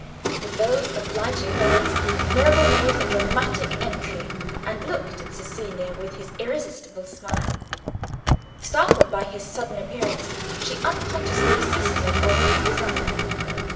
With those obliging words, Mirabel made a dramatic entry, and looked at Cecilia with his irresistible smile. Startled by his sudden appearance, she unconsciously assisted Alban's design.